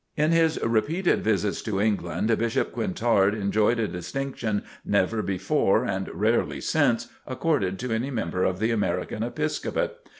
In his repeated visits to England, Bishop Quintard enjoyed a distinction never before, and rarely since, accorded to any member of the American Episcopate.